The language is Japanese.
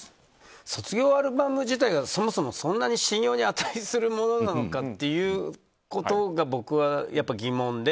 卒業アルバム自体がそもそもそんなに信用に値するものなのかということが僕は疑問で。